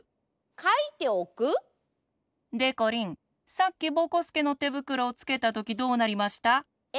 さっきぼこすけのてぶくろをつけたときどうなりました？え？